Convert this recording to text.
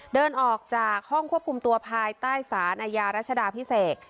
เดินออกจากห้องควบคุมตัวภายใต้สารอาญารัชดาพิเศษ